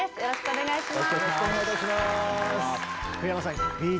よろしくお願いします。